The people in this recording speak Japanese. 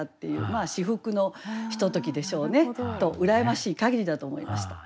まあ至福のひとときでしょうね。と羨ましい限りだと思いました。